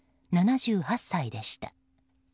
７８歳でした。